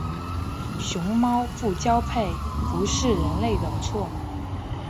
熊猫不交配不是人类的错。